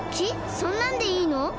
そんなんでいいの？